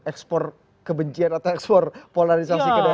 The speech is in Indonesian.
ekspor kebencian atau ekspor polarisasi ke daerah lain